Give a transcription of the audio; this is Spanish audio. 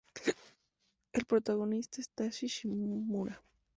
El protagonista es Takashi Shimura.